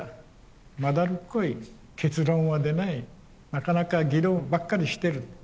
なかなか議論ばっかりしてる。